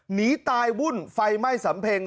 หนีไต้วุ่นไฟไหม้สัมเท็ง